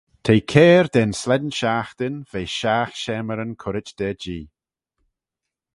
T'eh cair da'n slane shiaghtin ve shiaght shamyryn currit da jee.